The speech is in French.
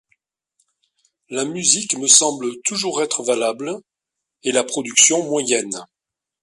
La musique me semble toujours être valable et la production moyenne.